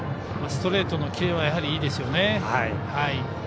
ストレートの切れはやはりいいですよね。